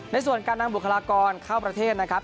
ส่วนการนำบุคลากรเข้าประเทศนะครับ